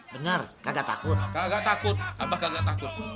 benar kagak takut